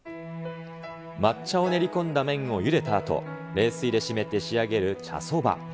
抹茶を練り込んだ麺をゆでたあと、冷水で締めて仕上げる茶そば。